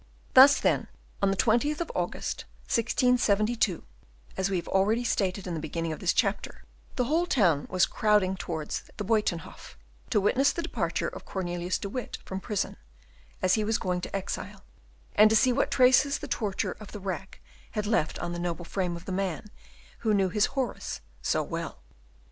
Thus, then, on the 20th of August, 1672, as we have already stated in the beginning of this chapter, the whole town was crowding towards the Buytenhof, to witness the departure of Cornelius de Witt from prison, as he was going to exile; and to see what traces the torture of the rack had left on the noble frame of the man who knew his Horace so well.